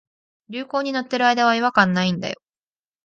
流行に乗ってる間は違和感ないんだよ